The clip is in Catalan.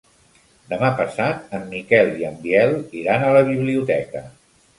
Demà passat en Miquel i en Biel iran a la biblioteca.